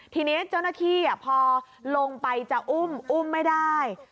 ทีนี้เจ้าหน้าที่พอลงไปจะอุ้มอุ้มไม่ได้